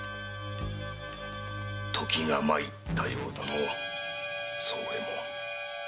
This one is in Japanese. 時が参ったようだの総右衛門。